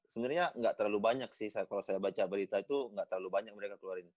sebenernya gak terlalu banyak sih kalo saya baca berita itu gak terlalu banyak mereka keluarin